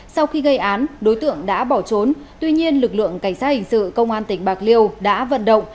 sau khi gây án đối tượng đã bỏ trốn tuy nhiên lực lượng cảnh sát hình sự công an tỉnh bạc liêu đã vận động